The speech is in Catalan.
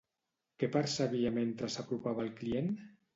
Què percebia mentre s'apropava al client?